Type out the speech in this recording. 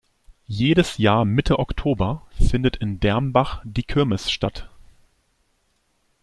Jedes Jahr Mitte Oktober findet in Dermbach die Kirmes statt.